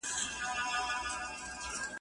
دا مو ادې ده او په موږ باندې دردیږي وطن